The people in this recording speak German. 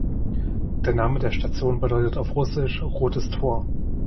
Der Name der Station bedeutet auf Russisch „Rotes Tor“.